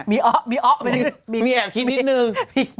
มีแขนิดนึง